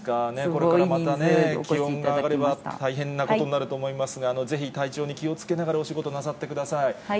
これからまた気温が上がれば、大変なことになると思いますが、ぜひ、体調に気をつけながら、お仕事なさってください。